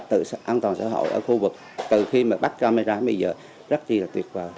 tự an toàn xã hội ở khu vực từ khi bắt camera đến bây giờ rất là tuyệt vời